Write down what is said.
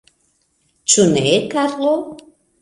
Ĉu ne, Karlo?